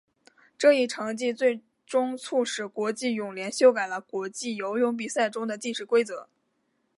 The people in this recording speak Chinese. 这一成绩最终促使国际泳联修改了国际游泳比赛中的计时规则。